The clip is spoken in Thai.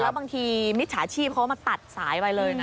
บางทีมิจฉาชีพเขามาตัดสายไปเลยนะ